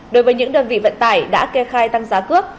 đối với những đơn vị vận tải đã kê khai tăng giá cước